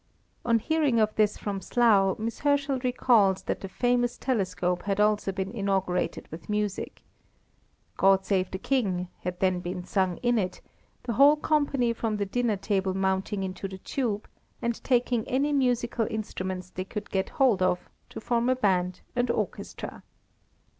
On hearing of this from Slough, Miss Herschel recalls that the famous telescope had also been inaugurated with music. "God save the King" had then been sung in it, the whole company from the dinner table mounting into the tube, and taking any musical instruments they could get hold of, to form a band and orchestra.